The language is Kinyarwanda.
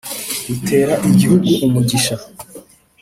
ritera igihugu umugisha